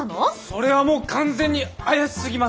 それはもう完全に怪しすぎます！